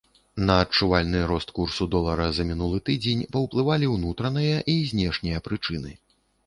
На адчувальны рост курсу долара за мінулы тыдзень паўплывалі ўнутраныя і знешнія прычыны.